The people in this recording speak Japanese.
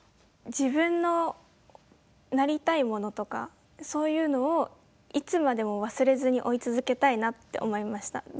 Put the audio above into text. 自分のなりたいものとかそういうのをいつまでも忘れずに追い続けたいなって思いました。